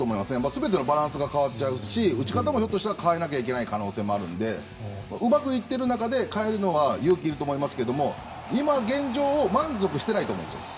全てのバランスが変わっちゃうし打ち方も変えなきゃいけない可能性もあるのでうまくいっている中で変えるのは勇気がいると思いますが今、現状満足してないと思うんですよ。